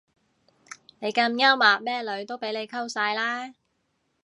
你咁幽默咩女都俾你溝晒啦